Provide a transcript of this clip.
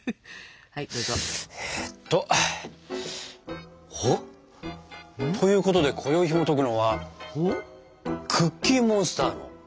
どうぞ。ということでこよいひもとくのは「クッキーモンスターのクッキー」。